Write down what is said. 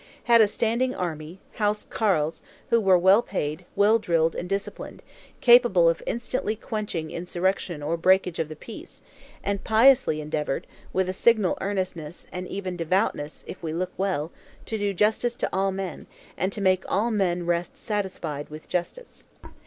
Had a Standing Army (House Carles), who were well paid, well drilled and disciplined, capable of instantly quenching insurrection or breakage of the peace; and piously endeavored (with a signal earnestness, and even devoutness, if we look well) to do justice to all men, and to make all men rest satisfied with justice.